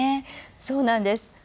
そうなんです。